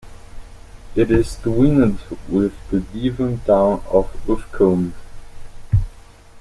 It is twinned with the Devon town of Uffculme.